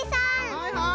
はいはい！